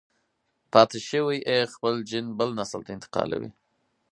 پاتې شوی يې خپل جېن بل نسل ته انتقالوي.